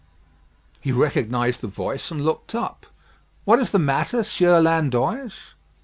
He recognised the voice and looked up. "What is the matter, Sieur Landoys?"